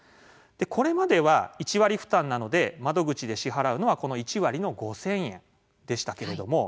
これまでは１割負担なので窓口で支払うのは、この１割の５０００円でしたけれども。